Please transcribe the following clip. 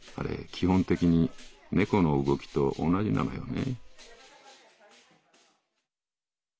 基本的に猫の動きと同じなのよね」。